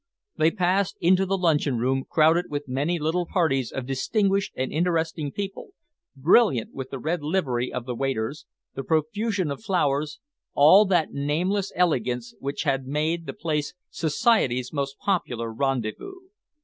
They passed into the luncheon room, crowded with many little parties of distinguished and interesting people, brilliant with the red livery of the waiters, the profusion of flowers all that nameless elegance which had made the place society's most popular rendezvous.